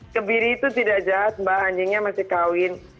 kebiri itu tidak jahat mbak anjingnya masih kawin